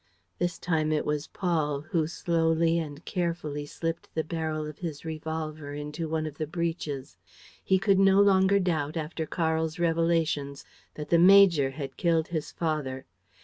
This time it was Paul who, slowly and carefully, slipped the barrel of his revolver into one of the breaches. He could no longer doubt, after Karl's revelations, that the major had killed his father.